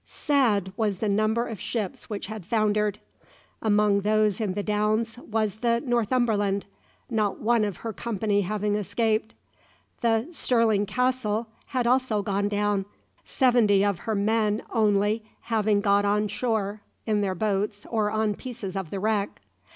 Sad was the number of ships which had foundered. Among those in the Downs was the "Northumberland," not one of her company having escaped. The "Stirling Castle" had also gone down, seventy of her men only having got on shore in their boats or on pieces of the wreck.